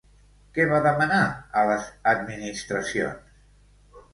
Què va demanar a les administracions?